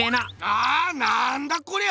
ああっなんだこりゃ